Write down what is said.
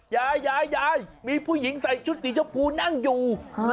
ยายยายมีผู้หญิงใส่ชุดสีชมพูนั่งอยู่